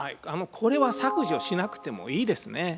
これは削除しなくてもいいですね。